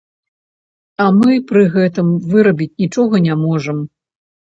А мы пры гэтым вырабіць нічога не можам.